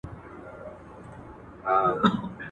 تعلیم د کلتور د غنا لپاره مهم دی.